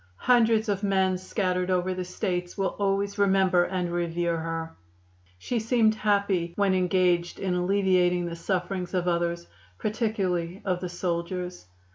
Hundreds of men scattered over the States will always remember and revere her. She seemed happy when engaged in alleviating the sufferings of others, particularly of the soldiers."